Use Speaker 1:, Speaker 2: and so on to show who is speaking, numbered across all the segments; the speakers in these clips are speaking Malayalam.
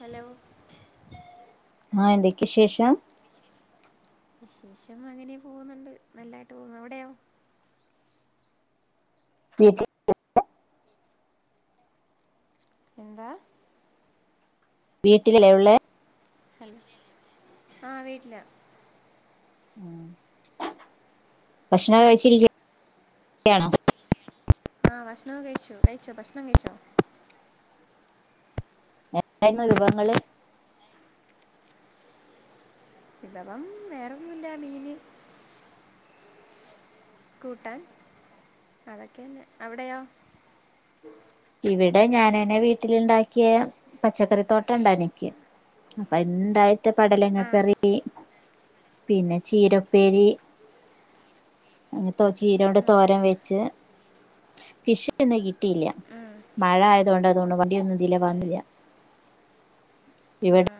Speaker 1: ഹലോ
Speaker 2: ആ എന്തൊക്ക് വിശേഷം
Speaker 1: വിശേഷം വിശേശം അങ്ങനെ പോകുന്നുണ്ട് നല്ലായിട്ട് പോകുന്നു അവിടെയോ?
Speaker 2: നെജി
Speaker 1: നെജി [unintelligible] എന്താ
Speaker 2: വീട്ടിലല്ലേയുള്ളെ
Speaker 1: ഹലോ ആ വീട്ടില
Speaker 2: മം ഭക്ഷണം കഴിച്ചിരിക്കു യാണോ?
Speaker 1: ആ ഭക്ഷണവും കഴിച്ചു കഴിച്ചോ ഭക്ഷ്ണം കഴിച്ചോ
Speaker 2: എന്തായിരുന്നു വിഭവങ്ങള്
Speaker 1: വിഭവം വേറൊന്നുമില്ല മീന് കൂട്ടാൻ അതൊക്കെന്നെ അവിടെയോ?
Speaker 2: ഇവിടെ ഞാനെന്നെ വീട്ടിലുണ്ടാക്കിയ പച്ചക്കറിത്തോട്ടം ഇണ്ട എനിക്ക് അപ്പൊ അതിലിണ്ടായിട്ട
Speaker 1: ആ
Speaker 2: പടലങ്ങക്കറി പിന്നെ ചീരപ്പേരി അങ്ങന ചീര കൊണ്ട്
Speaker 1: ആ
Speaker 2: തോരൻ വെച്ച് ഫിഷ് ഇന്ന് കിട്ടിയില്ല മഴ ആയതുകൊണ്ട് അതുകൊണ്ട് വണ്ടിയൊന്നും ഇതിലെ വന്നില്ല ഇവിടെ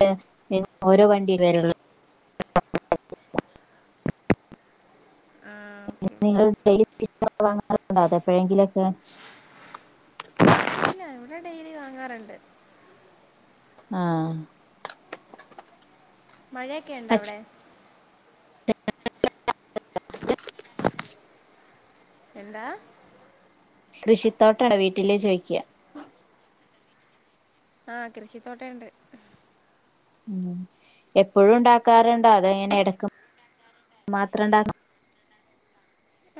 Speaker 2: ടേ ഓരോ വണ്ടി വരള്ളൂ
Speaker 1: ആഹ്
Speaker 2: [unintelligible] എപ്പോഴെങ്കിലൊക്കെ
Speaker 1: ഇല്ല ഇവിടെ ഡെയിലി വാങ്ങാറുണ്ട്
Speaker 2: ആഹ്
Speaker 1: മഴയൊക്കെയൊണ്ട
Speaker 2: പച്ച
Speaker 1: അവിടെ എന്താ
Speaker 2: കൃഷിത്തോട്ടണ്ടോ വീട്ടിലേ ചോദിക്കുവാ
Speaker 1: ആ കൃഷിത്തോട്ടേ ഉണ്ട്
Speaker 2: മം എപ്പോഴും ഉണ്ടാക്കാറുണ്ടോ അതോയിങ്ങനെ ഇടക്ക് മാത്രം ഉണ്ടാക്ക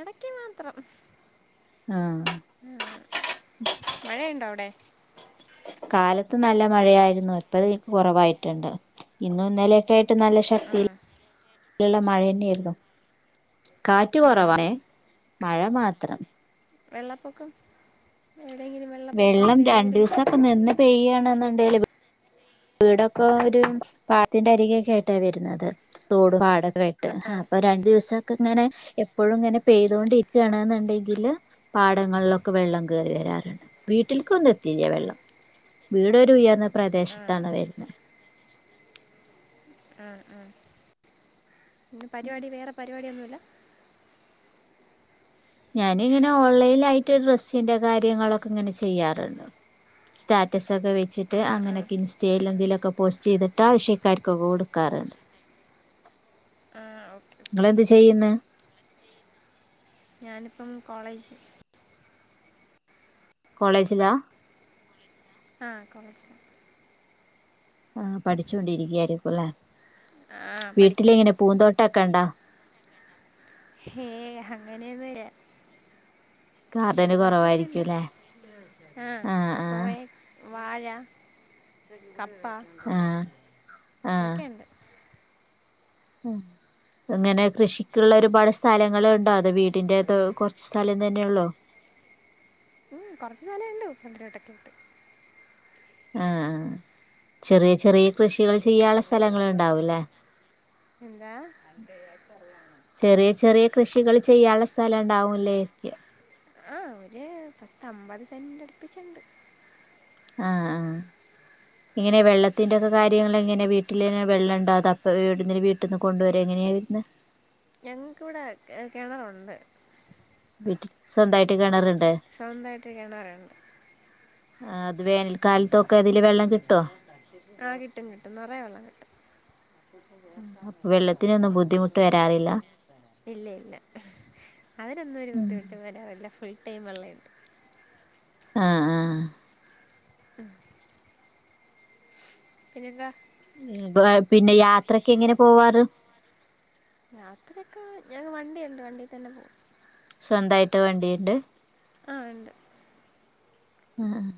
Speaker 1: ഇടയ്ക്ക് മാത്രം
Speaker 2: ആഹ്
Speaker 1: ആഹ് മഴയുണ്ടോ അവിടെ
Speaker 2: കാലത്ത് നല്ല മഴയായിരുന്നു ഇപ്പോ ദേ കുറവായിട്ടുണ്ട് ഇന്നു ഇന്നലെയൊക്കെ ആയിട്ട് നല്ല
Speaker 1: ആ
Speaker 2: ശക്തി ഉള്ള മഴ തന്നെയരുന്നു കാറ്റ്
Speaker 1: ആ
Speaker 2: കുറവാണെ മഴ മാത്രം
Speaker 1: വെള്ളപ്പൊക്കം എവിടെയെങ്കിലും വെള്ളപ്പൊക്കം അങ്ങനെ എന്തെങ്കിലും
Speaker 2: പ്പോ നിന്ന് പെയ്യണെന്നുണ്ടെല് വീടൊക്കെ ഒരു പാടത്തിന്റെ അരികേയൊക്കെ ആയിട്ടാ വരുന്നത് തോട് പാട ട്ട്
Speaker 1: ആ
Speaker 2: അപ്പൊ രണ്ടു ദിവസൊക്കെ ഇങ്ങനെ എപ്പോഴും ഇങ്ങനെ പെയ്തൊണ്ടിരിക്കുകയാണെന്നുണ്ടെങ്കില് പാടങ്ങളിലൊക്കെ വെള്ളം കേയറി വരാറുണ്ട് വീട്ടിലേക്ക് ഒന്നു എത്തില്ല വെള്ളം വീടൊരു ഉയർന്ന
Speaker 1: ആ
Speaker 2: പ്രദേശത്താണ് വരുന്നെ
Speaker 1: ഉം ഉം ഇന്ന് പരിപാടി വേറെ പരിപാടിയൊന്നുവില്ല
Speaker 2: ഞാനിങ്ങനെ ഓൺലൈലായിട്ട് ഡ്രസ്സിന്റെ കാര്യങ്ങളൊക്കെ ഇങ്ങനെ ചെയ്യാറുണ്ട് സ്റ്റാറ്റസ് ഒക്കെ വെച്ചിട്ട്
Speaker 1: ആ ആ
Speaker 2: അങ്ങനെയൊക്കെ ഇൻസ് റ്റയിലെങ്കിലുവൊക്കെ പോസ്റ്റ് ചെയ്തിട്ട് ആവശ്യക്കാർക്കൊക്കെ കൊടുക്കാറുണ്ട്
Speaker 1: ആഹ് ഓക്കെ ഓക്കെ
Speaker 2: നിങ്ങളെന്ത് ചെയ്യുന്ന
Speaker 1: ഞാനിപ്പം കോളേജ്
Speaker 2: കോളേജില
Speaker 1: ആഹ് കോളേജിലാ
Speaker 2: ആഹ് പഠിച്ചൊണ്ടിരിക്കയായിരിക്കുല്ലെ
Speaker 1: ആ പഠിക്കുക
Speaker 2: വീട്ടിലിങ്ങനെ പൂന്തോട്ടൊക്കെ ഉണ്ടോ
Speaker 1: ഹേയ് അങ്ങനൊന്നുവില്ല
Speaker 2: ഗാർഡന്
Speaker 1: പന്തോട്ടൊന്നുവില്ല
Speaker 2: കുറവായിരിക്കുംല്ലേ
Speaker 1: ആഹ്
Speaker 2: ആ ആ
Speaker 1: കൊറേ വാഴ കപ്പ
Speaker 2: ആ ആ
Speaker 1: ഇതൊക്കെയുണ്ട്
Speaker 2: അങ്ങനെ കൃഷിക്കുള്ള ഒരുപാട് സ്ഥലങ്ങള് ണ്ടോ അതൊ വീടിന്റെ കുറച്ച് സ്ഥലം തന്നെ ഉള്ളോ
Speaker 1: ഉം കുറച്ച് സ്ഥലെ ഉള്ളൂ ഫ്രണ്ടിൽ ഒക്കെ ആയിട്ട്
Speaker 2: ആഹ് ചെറിയ ചെറിയ കൃഷികൾ ചെയ്യാനുള്ള സ്ഥലങ്ങൾ ഉണ്ടാവൂല്ലേ
Speaker 1: എന്താ
Speaker 2: ചെറിയ ചെറിയ കൃഷികൾ ചെയ്യാള്ള സ്ഥലവുണ്ടാവുല്ലേ
Speaker 1: ആഹ് ഒരു പത്ത് അമ്പത് സെന്റ് അടുപ്പിച്ചിണ്ട്
Speaker 2: ആഹ് ആഹ് എങ്ങനെ വെള്ളത്തിന്റെ ഒക്കെ കാര്യങ്ങൾ എങ്ങനെ വീട്ടിൽ തന്നെ വെള്ളം ഉണ്ടാ അതോ അപ്പ എവിടുന്ന വീട്ടിൽ നിന്ന് കൊണ്ടുവര എങ്ങനെയായിരുന്നു
Speaker 1: ഞങ്ങൾക്കിവിടെ കിണറുണ്ട്
Speaker 2: വീട്ടി സ്വന്തായിട്ട് കിണറുണ്ട്
Speaker 1: സ്വന്തമായിട്ട് കിണറുണ്ട്
Speaker 2: ആഹ് അത് വേനൽക്കാലത്തൊക്കെ അതില് വെള്ളം കിട്ടോ
Speaker 1: ആഹ് കിട്ടും കിട്ടും നിറയ വെള്ളം കിട്ടും [inaudible]
Speaker 2: അപ്പൊ വെള്ളത്തിനൊന്നും ബുദ്ധിമുട്ട് വരാറില്ല
Speaker 1: ഇല്ല ഇല്ല അയിനൊന്നും ഒരു ബുദ്ധിമുട്ട് വരാറില്ല ഫുൾ ടൈം വെള്ളണ്ട്
Speaker 2: ആഹ് ആഹ്
Speaker 1: പിന്നെന്താ
Speaker 2: പിന്നെ യാത്രക്കെ എങ്ങനെ പോവാറ്
Speaker 1: യാത്രയൊക്കെ ഞങ്ങ വണ്ടിയുണ്ട് വണ്ടി തന്നെ പോവും
Speaker 2: സ്വന്തായിട്ട് വണ്ടിണ്ട്
Speaker 1: ആഹ് ഉണ്ട്
Speaker 2: ആഹ്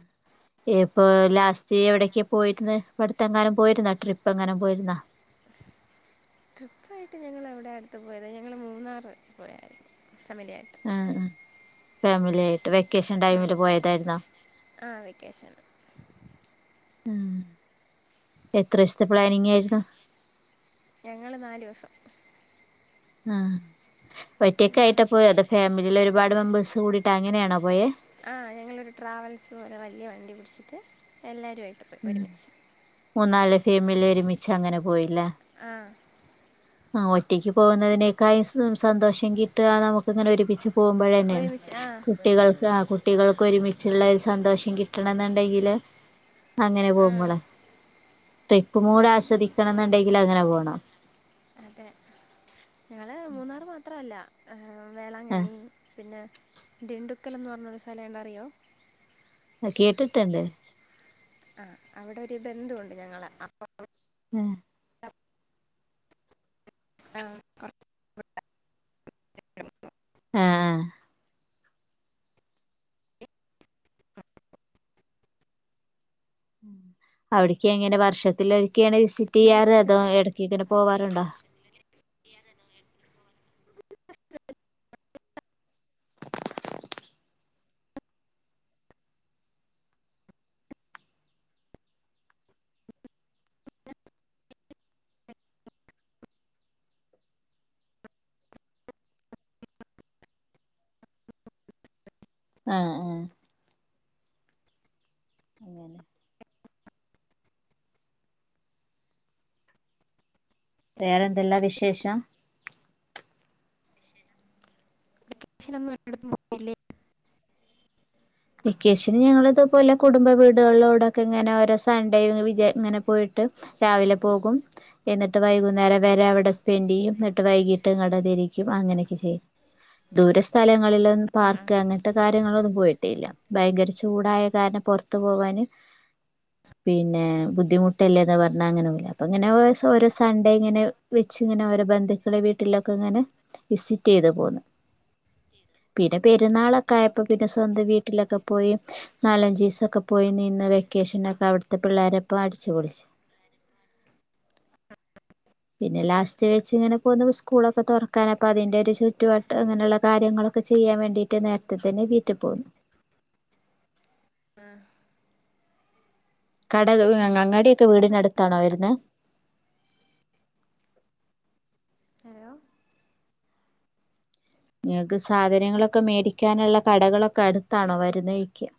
Speaker 2: ഇപ്പൊ ലാസ്റ്റ് എവിടക്കാ പോയിരന്ന ഇപ്പടുത്തെങ്ങാനും പോയിരുന്നോ ട്രിപ്പ് എങ്ങനും പോയിരുന്നോ
Speaker 1: ട്രിപ്പായിട്ട് ഞങ്ങളവിടെ അടുത്ത് പോയത് ഞങ്ങൾ മൂന്നാർ പോയായിരുന്നു ഫാമിലിയായിട്ട്
Speaker 2: ആ ആ ഫാമിലി ആയിട്ട് വെക്കേഷൻ
Speaker 1: ആ
Speaker 2: ടൈമില് പോയതായിര്ന്നോ
Speaker 1: ആ വെക്കേഷൻ
Speaker 2: ആഹ് എത്രേസത്തെപ്ലാനിങ് ആയ്ര്ന്നു
Speaker 1: ഞങ്ങള് നാലൂസം
Speaker 2: ആ
Speaker 1: ഉം.
Speaker 2: ഒറ്റക്ക്‌ആയിട്ടപോയെ അതൊ ഫാമിലിലെഒരുപാട് മെമ്പേഴ്സ് കൂടിട്ട് അങ്ങനെയാണോ പോയേ
Speaker 1: ആ ഞങ്ങളൊരു ട്രാവൽസ്പോലെ വല്യവണ്ടി വിളിച്ചിട്ട് എല്ലാരുംആയിട്ട്
Speaker 2: ഉം മൂന്നാല്ഫാമിലിഒരുമിച്ചഅങ്ങനെ പോയില്ലെ
Speaker 1: ആഹ്
Speaker 2: ആഒറ്റക്ക്പോവുന്നതിനേക്കായും സന്തോഷംകിട്ടാ നമുക്ക് ഇങ്ങനെ ഒരുമിച്ച് പോമ്പഴെന്നെണ്
Speaker 1: ഒരുമിച്ച് ആ
Speaker 2: കുട്ടികൾക്ക് ആ കുട്ടികൾക്ക് ഒരുമി ച്ച്ള്ള ഒരു സന്തോഷം കിട്ടണംന്ണ്ടെങ്കില് അങ്ങനെ
Speaker 1: ആ
Speaker 2: പോമ്പള് ട്രിപ്പ് മൂട്
Speaker 1: ഉം.
Speaker 2: ആസ്വദിക്കണംന്നുണ്ടെങ്കില് അങ്ങനെ പോണം
Speaker 1: അതെ ഞങ്ങള് മൂന്നാറ് മാത്രല്ലാ ഹ് വേളാങ്കണ്ണി
Speaker 2: ആഹ്
Speaker 1: പിന്നെ ദിണ്ടുക്കൽ എന്ന്പറഞൊരു സലേണ്ട്നറിയോ
Speaker 2: അ കേട്ടിട്ട്ണ്ട്
Speaker 1: ആ അവിടെര് ബന്ധുണ്ട്ഞങ്ങളെ അപ്പ [unintelligible] ആഹ് കൊർ
Speaker 2: ആഹ് അവിട്ക്ക്ങ്ങനെ വർഷത്തി ലൊരിക്കെണ്
Speaker 1: പിന്നെ എന്താ
Speaker 2: വിസിറ്റ്യ്യാറ് അതോ
Speaker 1: പരിപാടി
Speaker 2: എടക്ക്ങ്ങനെ പോവാറുണ്ടോ ആഹ് ആ അങ്ങനെ വേറെന്തെല്ലാ വിശേഷം
Speaker 1: വെക്കേഷൻ ഒന്നും ഒരിടത്തും പോയില്ലേ
Speaker 2: വെക്കേഷന് ഞങ്ങള്ത്പോലെ കുടുംബവീടുകളിലോടൊക്കെ ഇങ്ങനെ ഓരോസൺഡേവിജഇങ്ങന പോയിട്ട് രാവിലെ പോകും എന്നിട്ട് വൈകുന്നേരം വരെ അവിടെ സ്പെൻഡ്യ്യുംന്നിട്ട് വൈകീട്ട് ഇങ്ങടെ തിരിക്കും അങ്ങനെയൊക്കെ ചെയ്യ ദൂരെസ്ഥലങ്ങളില് പാർക്ക് അങ്ങൻത്തെ കാര്യങ്ങളൊന്നും പോയി ട്ടില്ല ഭയങ്കരചൂടായകാരണം പൊർത്ത് പോവാന് പിന്നെ ബുദ്ധിമുട്ടല്ലേന്ന്പറഞ്ഞാ ങ്ങനവുല്ല അപ്പൊങ്ങനെ ഓരോ സൺഡേ ഇങ്ങനെ വെച്ച് ങ്ങനെ ഓരോ ബന്ധുക്കളെ വീട്ടിലൊക്കെങ്ങനെ. വിസിറ്റ്യ്ത് പോന്ന് പിന്നെപെരുന്നാളൊക്കെ ആയപ്പോ പിന്നെ സ്വന്തം വീട്ടിലൊക്കെ പോയി നാലഞ്ചീസൊക്കെ പോയിനിന്ന് വെക്കേഷനൊക്കെ അവിടുത്തെ പിള്ളേരെപ്പ അടിച്ച് പൊളിച്ച്
Speaker 1: [unintelligible]
Speaker 2: പിന്നെ ലാസ്റ്റ് വെച്ച്ങ്ങനെ പോനു സ്കൂളൊക്കെ തുറക്കാനഅപ്പ അതിന്റോര്ചുറ്റുവ അങ്ങനെയുള് കാര്യങ്ങളൊക്കെ ചെയ്യാൻവേണ്ടിട്ട്നേരത്തെ തന്നെ വീട്ടിൽ പോന്നു
Speaker 1: ആഹ്
Speaker 2: കട [unintelligible]
Speaker 1: ഉം,
Speaker 2: അങ്ങാടിയൊക്കെ
Speaker 1: വേറെന്താ?
Speaker 2: വീടിനടുത്താണോ വരുന്നേ
Speaker 1: അലോ
Speaker 2: നിങ്ങക്ക് സാധനങ്ങളൊക്കെ മേടിക്യാ നുള്ള കടകളൊക്കെ അടുത്താണോ
Speaker 1: ഹലോ
Speaker 2: വരുന്നേയ്ക്ക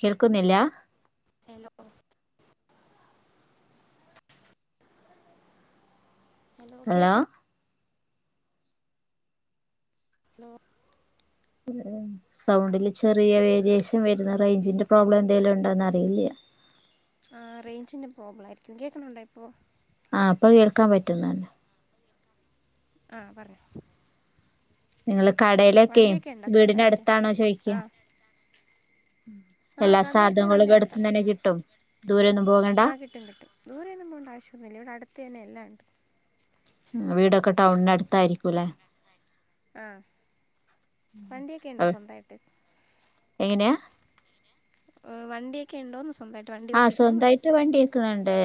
Speaker 2: കേൾക്കുന്നില്ലാ
Speaker 1: ഹലോ [unintelligible] ഹലോ കേക്ക് അലോ [unintelligible]
Speaker 2: [unintelligible] സൗണ്ടില് ചെറിയ വേരിയേഷൻ വെരുന്ന്റേഞ്ചിന്റെ പ്രോബ്ലംന്തെലുംഉണ്ടോന്ന് അറിയില്ല്യ
Speaker 1: ആ റേഞ്ചിൻ്റെ പ്രോബ്ലായിരിക്കും കേൾകുന്നുണ്ടോ ഇപ്പോ
Speaker 2: ആ ഇപ്പൊകേൾക്കാൻപറ്റുന്ന
Speaker 1: ആഹ് പറഞൊ
Speaker 2: നിങ്ങള് കടേലൊക്കിം
Speaker 1: വണ്ടിയൊക്കെ ഉണ്ടോ
Speaker 2: വീടിന്റെ
Speaker 1: സ്വന്തമായിട്ട്
Speaker 2: അടുത്താണോ ചോയ്ക്യ
Speaker 1: ആ ആ
Speaker 2: എല്ലാ
Speaker 1: കടയൊക്കെ
Speaker 2: സാതോങ്ങളും എട്ത്ത്
Speaker 1: വീടിനടുത്താണ്
Speaker 2: നന്നേ കിട്ടുംദൂരൊന്നുംപോകണ്ട
Speaker 1: ആ കിട്ടും കിട്ടും ദൂരൊന്നും പോണ്ട ആവശ്യന്നൂല്ല ഇവിടെ അടുത്ത് തന്നെ എല്ലാംണ്ട്.
Speaker 2: വീടൊക്കെ ടൗണിന് അടുത്തായിരിക്കുംല്ലേ?
Speaker 1: ആ വണ്ടിയൊക്കെ ഉണ്ടോ
Speaker 2: അത്
Speaker 1: സ്വന്തമായിട്ട്
Speaker 2: എങ്ങനെയാ?
Speaker 1: ഓ വണ്ടിയൊക്കെണ്ടോന്ന് സ്വന്തായിട്ട്?
Speaker 2: ആഹ സ്വന്തായിട്ട് വണ്ടി ഒക്കെ ഇണ്ട്.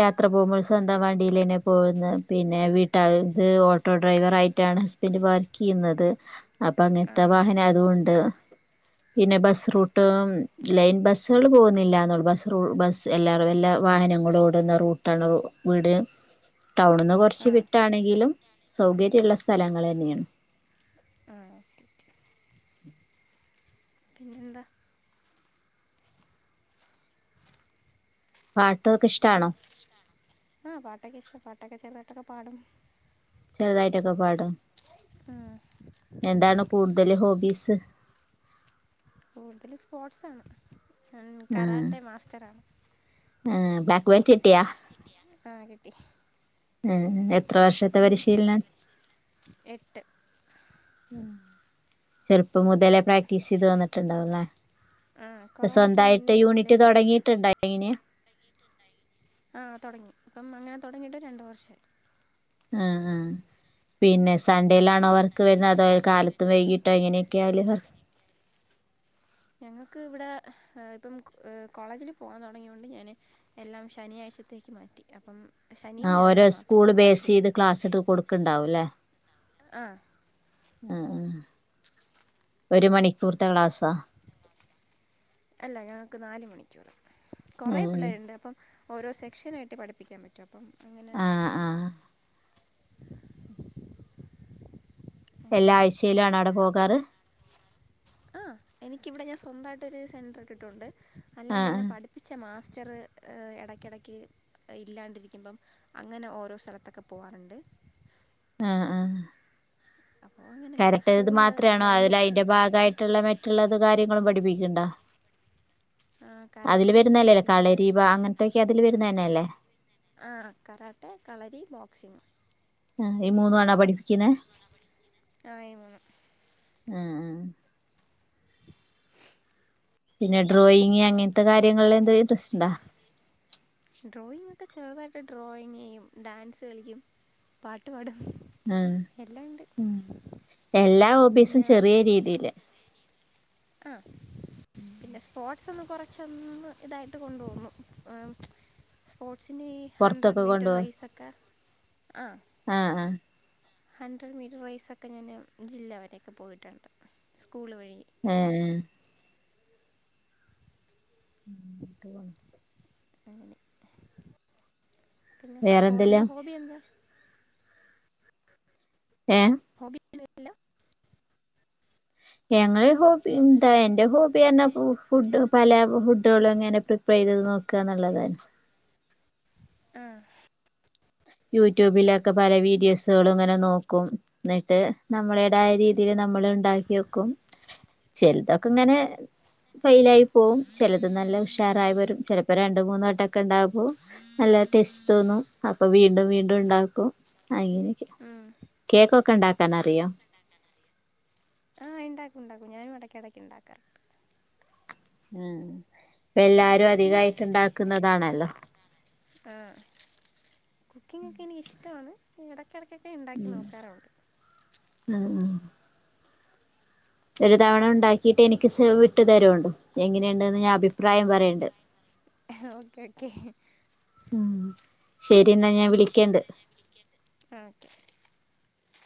Speaker 2: യാത്ര പോകുമ്പോൾ സ്വന്തം വണ്ടിലെന്നെ പോവുന്നേ പിന്നെ വീട്ടാര്ടെ ഓട്ടോ ഡ്രൈവർ ആയിട്ടാണ് ഹസ് ബന്റ് വർക്കെയ്യുന്നത് അപ്പൊ
Speaker 1: ആ
Speaker 2: അങ്ങനത്തെ വാഹനം അയതൊണ്ട്. പിന്നെ ബസ്റൂട്ടും ലൈൻ ബസ്സള് പോവുന്നില്ലാന്നൊള്ളു ബസ് റൂ എല്ലാരും എല്ലാ വാഹനങ്ങളും ഓടുന്ന റൂട്ടാണ്‌ വീട് ടൗണിന്ന് കൊറച്ച്
Speaker 1: ആ
Speaker 2: വിട്ടാണെങ്കിലും സൗകര്യള്ള സ്ഥലങ്ങളെന്നെണ്.
Speaker 1: ആ ഓക്കെ ഓക്കെ, പിന്നെന്താ?
Speaker 2: പാട്ടൊക്കെ ഇഷ്ടാണോ?
Speaker 1: ആ പാട്ടൊക്ക ഇഷ്ടാ പാട്ടൊക്കെ ചെറുതായിട്ടാക്കെ പാടും.
Speaker 2: ചെറുതായിട്ടൊക്കെ പാടും.
Speaker 1: ആഹ.
Speaker 2: എന്താണ് കൂടുതൽ ഹോബീസ്?
Speaker 1: കൂടുതൽ സ്പോർട്സാണ്
Speaker 2: ആ
Speaker 1: കരാട്ടെ മാസ്റ്ററാണ്.
Speaker 2: ആ ബ്ലാക്ക് ബെൽറ്റ് കിട്ടിയാ?
Speaker 1: ആ കിട്ടി.
Speaker 2: ഉം എത്ര വർഷത്തെ
Speaker 1: ഇപ്പം
Speaker 2: പരിശീലനാ?
Speaker 1: എട്ട്
Speaker 2: ഉം ചെറുപ്പം മുതലേ പ്രാക്ടീസ് ചെയ്ത് വന്നിട്ടുണ്ടാവുംല്ലേ?
Speaker 1: ആ
Speaker 2: പ്പൊ
Speaker 1: കൊറോണയ്ക്ക്
Speaker 2: സ്വന്തായിട്ട് യൂണിറ്റ് തൊടങ്ങിയിട്ടുണ്ടായിന്?
Speaker 1: തുടങ്ങീട്ടുണ്ടായിന്. ആഹ തൊടങ്ങി ഇപ്പം അങ്ങനെ തൊടങ്ങിട്ട് രണ്ടു വർഷായി.
Speaker 2: ആ ആ... പിന്നെ സൺഡേലാണോ വർക്ക് വരുന്നേ അതോ കാലത്തും വൈകിട്ടോ എങ്ങനെയൊക്കെയാല് വർ
Speaker 1: ഞങ്ങക്ക് ഇവിടെ ഇപ്പം കോളേജിൽ പോകാൻ തൊടങ്ങിയൊണ്ട് ഞാൻ. എല്ലാം ശനിയാഴ്ചത്തേക്ക് മാറ്റി അപ്പം ശനിയും
Speaker 2: ആഹ്
Speaker 1: ഞായറും മാത്രം വൈകിട്ട്.
Speaker 2: ക്ക്ണ്ടാവുംല്ലേ?
Speaker 1: ആഹ.
Speaker 2: ആ ആ, ഒരു മണിക്കൂർത്തെ ക്ലാസ്സാ?
Speaker 1: അല്ല ഞങ്ങക്ക് നാല് മണിക്കൂറ് കൊറെ
Speaker 2: ഉം
Speaker 1: പിള്ളേരുണ്ട് അപ്പം. ഓരോ സെക്ഷനായിട്ട് പഠിപ്പിക്കാൻ പറ്റും അപ്പം അങ്ങനെ.
Speaker 2: ആഹ് ആഹ് എല്ലാ
Speaker 1: അങ്ങനെയാ
Speaker 2: ആഴ്ച്ചയിലാണോ അവിടെ പോകാറ്?
Speaker 1: ആ എനിക്കിവിടെ ഞാൻ സ്വന്തായിട്ടൊരു സെന്റർ ഇട്ടിട്ടുണ്ട് അല്ലാണ്ടെന്നെ
Speaker 2: ആഹ്
Speaker 1: പഠി- പ്പിച്ച മാസ്റ്ററ് എടയ്ക്കിടയ്ക്ക്. ഇല്ലാണ്ടിരിക്കുമ്പം അങ്ങനെ ഓരോ സ്ഥലത്തൊക്കെ പോവാറ്ണ്ട്.
Speaker 2: ആഹ ആഹ.
Speaker 1: അപ്പോൾ അങ്ങനെ പിന്നെ
Speaker 2: കരട്ടെത്
Speaker 1: സ്കൂളിൽ
Speaker 2: മാത്രാണോ
Speaker 1: രണ്ട്
Speaker 2: അതിൽ
Speaker 1: സ്കൂൾ
Speaker 2: അതിന്റെ ഭാഗായിട്ടുള്ള മറ്റുള്ളത് കാര്യങ്ങളും പഠിപ്പിക്ക്ണ്ടോ? അതില്
Speaker 1: കരാട്ടെ ഉണ്ട്
Speaker 2: വരുന്നല്ലേ അല്ലേ
Speaker 1: പിന്നെ
Speaker 2: കളരീപ അങ്ങനത്തൊക്കെ അതില് വരുന്ന തന്നെ അല്ലേ?
Speaker 1: ആ കറാട്ടെ കളരി ബോക്സിങ്.
Speaker 2: ആ ഈ മൂന്നുവാണോ പഠിപ്പിക്കുന്നെ?
Speaker 1: ആ ഈ മൂന്നും.
Speaker 2: മ്മ് മ്മ്. പിന്നെ ഡ്രോയിങ് അങ്ങനത്തെ കാര്യങ്ങളിലെന്തേലും ഇൻട്രസ്റ്റ് ഇണ്ടാ?
Speaker 1: ഡ്രോയിങ് ഒക്കെ ചെറുതായിട്ടെ ഡ്രോയിങ്ങെയ്യും ഡാൻസ് കളിക്കും പാട്ട് പാടും.
Speaker 2: ഉം
Speaker 1: എല്ലാം ഉണ്ട്
Speaker 2: ഉം എല്ലാ ഹോബീസും
Speaker 1: പിന്നെ
Speaker 2: ചെറിയ രീതിയില്.
Speaker 1: ആ. പിന്നെ സ്പോർട്സ് ഒന്ന് കൊറച്ചൊന്ന് ഇതായിട്ട് കൊണ്ടോ വുന്നു ഏ. സ്പോർട്സിനീ...
Speaker 2: പൊറത്തൊക്കെ കൊണ്ടോവോ
Speaker 1: ആ
Speaker 2: ആഹ ഹ.
Speaker 1: ഹൺഡ്രഡ് മീറ്റർ റയ്സൊക്കെ ഞാൻ ജില്ല വരെയൊക്കെ പോയിട്ടുണ്ട് സ്കൂള് വഴി.
Speaker 2: ആഹ് ട്ട് പോണം
Speaker 1: അങ്ങനെ [unintelligible]
Speaker 2: വേറെന്തെല്ലാം
Speaker 1: ഹോബി എന്താ
Speaker 2: ഏഹ്
Speaker 1: ഹോബി ഒന്നും ഇല്ല
Speaker 2: ഞങ്ങളെ ഹോബി എന്തേ എന്റെ ഹോബി പറഞ്ഞ ഫുഡ്ഡ് പല ഫുഡ്ഡ്കള്ങ്ങന പ്രി പെരേ നോക്കാ എന്നുള്ളതാ
Speaker 1: ആഹ്
Speaker 2: യൂട്യൂബിലൊക്ക പല വീഡിയോസുകള് ഇങ്ങനെ നോക്കും എന്നിട്ട് നമ്മളേതായ രീതിയില് നമ്മള് ഇണ്ടാക്കി വെക്കും ചെൽതൊക്കെ ഇങ്ങനെ ഫെയിലായി പോവും ചെലത് നല്ല ഉഷാറായി വരും ചെലപ്പൊ രണ്ട് മൂന്നെട്ടൊക്കെ ഇണ്ടാവും നല്ല ടെസ്റ്റോന്നും അപ്പൊ വീണ്ടും വീണ്ടും ഇണ്ടാക്കും അങ്ങനെയെക്കെ
Speaker 1: ഉം.
Speaker 2: കേക്കോക്കെ ഇണ്ടാക്കാനറിയൊ
Speaker 1: ആഹ് ഇണ്ടാക്കും ഉണ്ടാക്കും ഞാ എടക്കെടക്ക് ഇണ്ടാക്കാറ്ണ്ട്
Speaker 2: ഉം
Speaker 1: എനിക്ക്
Speaker 2: ഇപ്പെല്ലാരും
Speaker 1: കുക്കിങ്ങൊക്കെ
Speaker 2: അധികായിട്ട് ഇണ്ടാക്ക്ന്നതാണല്ലൊ
Speaker 1: ആഹ് കുക്കിങ്ങൊക്കെ എനിക്കിഷ്ടാണ് എടക്കെടക്കൊക്കെ ഇണ്ടാക്കി നോക്കാറുണ്ട്
Speaker 2: ഉം ഉം ഒരു തവണ ഇണ്ടാക്കീട്ട് എനിക്ക് [unintelligible] തരോണ്ടു എങ്ങനെണ്ട്ന്ന് ഞാൻ അഭിപ്രായം പറയ്ണ്ട്
Speaker 1: ഓക്കെ ഓക്കെ
Speaker 2: ഉം ശരിന്നാ ഞാൻ വിളിക്കെണ്ട്
Speaker 1: ആഹ് ഓക്കെ